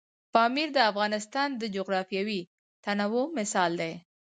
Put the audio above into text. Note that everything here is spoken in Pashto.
پامیر د افغانستان د جغرافیوي تنوع مثال دی.